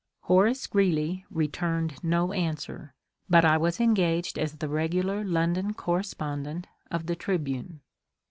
Horace Greeley returned no answer, but I was engaged as the regular London correspondent of the " Tribune."